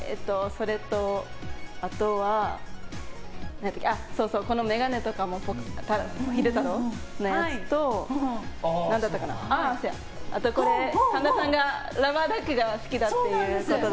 それと、あとはこの眼鏡とかも昼太郎のやつとあと、神田さんがラバーダックがお好きだということで。